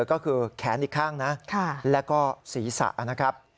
ก็คือแขนอีกข้างนะแล้วก็ศีรษะนะครับ